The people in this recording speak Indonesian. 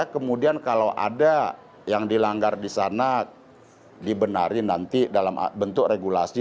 kemudian kalau ada yang dilanggar di sana dibenarin nanti dalam bentuk regulasi